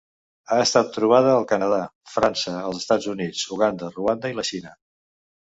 Ha estat trobada al Canadà, França, els Estats Units, Uganda, Ruanda i la Xina.